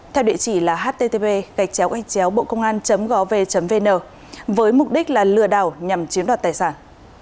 theo địa chỉ là http bocongan gov vn với mục đích là lừa đảo nhằm chiếm đoạt tài sản